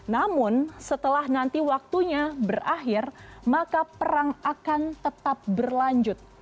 namun setelah nanti waktunya berakhir maka perang akan tetap berlanjut